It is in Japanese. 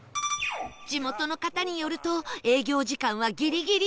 地元の方によると営業時間はギリギリ